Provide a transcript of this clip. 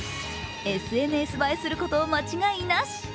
ＳＮＳ映えすること間違いなし。